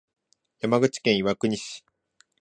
山口県岩国市